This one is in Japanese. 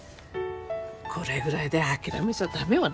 これぐらいで諦めちゃ駄目よね。